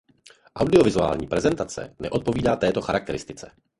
Audiovizuální prezentace neodpovídá této charakteristice.